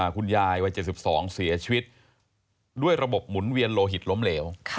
คุณยายวัย๗๒เสียชีวิตด้วยระบบหมุนเวียนโลหิตล้มเหลว